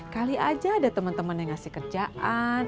kali aja ada temen temen yang ngasih kerjaan